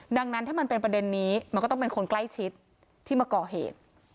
ดังนั้นถ้ามันเป็นประเด็นนี้มันก็ต้องเป็นคนใกล้ชิดที่มาก่อเหตุ